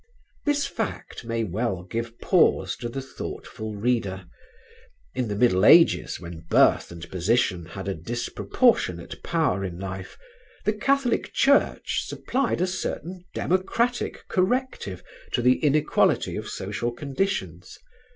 This fact may well give pause to the thoughtful reader. In the middle ages, when birth and position had a disproportionate power in life, the Catholic Church supplied a certain democratic corrective to the inequality of social conditions.